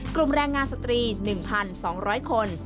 กลุ่มแรงงานสตรี๑๒๐๐คน